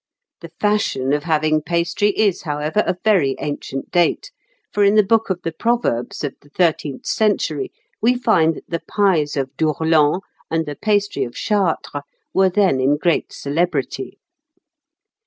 The fashion of having pastry is, however, of very ancient date, for in the book of the "Proverbs" of the thirteenth century, we find that the pies of Dourlens and the pastry of Chartres were then in great celebrity.